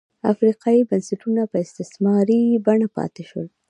افریقايي بنسټونه په استثماري بڼه پاتې شول.